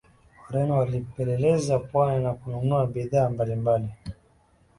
Wareno walipeleleza pwani na kununua bidhaa mbalimbali